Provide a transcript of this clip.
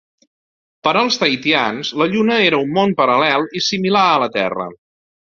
Per als tahitians la Lluna era un món paral·lel i similar a la Terra.